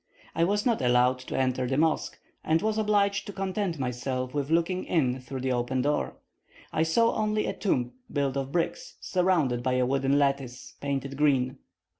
I was not allowed to enter the mosque, and was obliged to content myself with looking in through the open door. I saw only a tomb built of bricks, surrounded by a wooden lattice, painted green.